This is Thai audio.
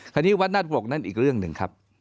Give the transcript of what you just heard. ขณะนี้วัดนาธปรกนั่นอีกเรื่องหนึ่ง